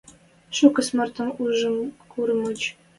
Шукы смӧртӹм ужшы курым мыч.